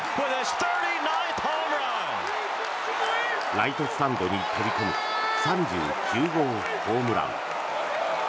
ライトスタンドに飛び込む３９号ホームラン。